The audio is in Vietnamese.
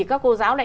các cô giáo